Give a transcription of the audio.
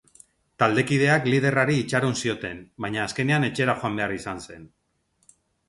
Taldekideak liderrari itxaron zioten, baina azkenean etxera joan behar izan zen.